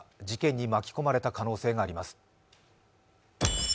事件に巻き込まれた可能性があります。